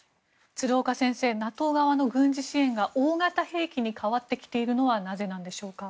鶴岡先生、ＮＡＴＯ側の軍事支援が大型兵器に変わってきているのはなぜなんでしょうか。